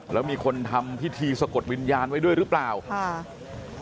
แล้วมีคนทำพิธีสะกดวิญญาณไว้ด้วยหรือเปล่าค่ะ